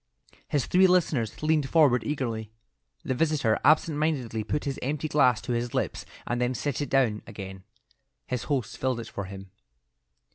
His three listeners leaned forward eagerly. The visitor absent mindedly put his empty glass to his lips and then set it down again. His host filled it for him.